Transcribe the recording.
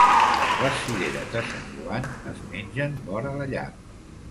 Les cireres de Sant Joan es mengen vora la llar.